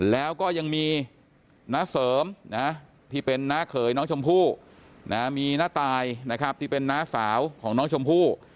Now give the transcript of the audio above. แล้วก็ยังมีน้าเสริมนะที่เป็นน้าเขยน้องชมพู่มีน้าตายนะครับที่เป็นน้าสาวของน้องชมพู่